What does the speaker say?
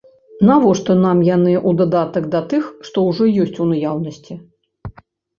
Навошта нам яны ў дадатак да тых, што ўжо ёсць у наяўнасці?